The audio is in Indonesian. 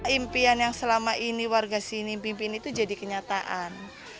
impian yang selama ini warga sini pimpin itu jadi kenyataan